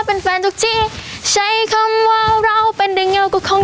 โอ้อยากฟังอยากฟัง